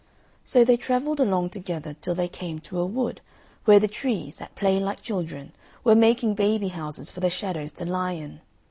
So they travelled along together till they came to a wood, where the trees, at play like children, were making baby houses for the shadows to lie in.